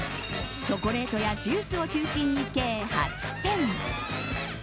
チョコレートやジュースを中心に計８点。